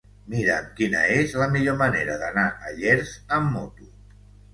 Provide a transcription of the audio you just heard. Mira'm quina és la millor manera d'anar a Llers amb moto.